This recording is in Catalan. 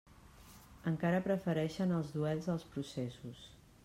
Encara prefereixen els duels als processos.